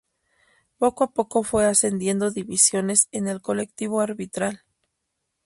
Poco a poco fue ascendiendo divisiones en el colectivo arbitral.